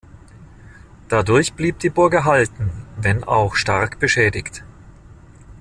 Dadurch blieb die Burg erhalten, wenn auch stark beschädigt.